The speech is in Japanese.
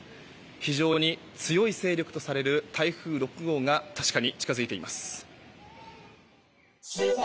非常に強い勢力とされる台風６号が確かに近づいています。